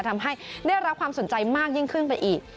ทำให้ได้รับความสนใจมากยิ่งขึ้นไปอีก